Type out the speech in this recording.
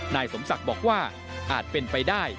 นายสมศักดิ์บอกว่าอาจเป็นไปได้